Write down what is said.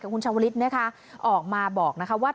กับคุณชาวลิศออกมาบอกว่า